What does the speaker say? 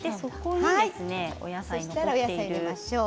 お野菜を入れましょう。